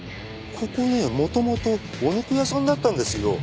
ここね元々お肉屋さんだったんですよ。